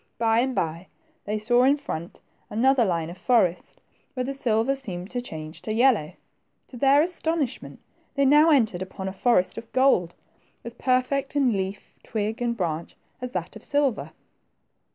By and by, they saw in front another line of forest, where the silver seemed to change to yellow. To their astonishment, they now entered upon a forest of gold, as perfect in leaf, twig, and branch, as that of silver.